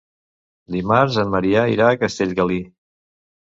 Dimarts en Maria irà a Castellgalí.